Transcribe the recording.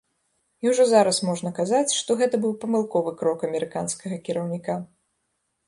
І ўжо зараз можна казаць, што гэта быў памылковы крок амерыканскага кіраўніка.